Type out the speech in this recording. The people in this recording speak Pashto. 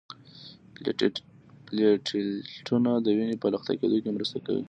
پلیټلیټونه د وینې په لخته کیدو کې مرسته کوي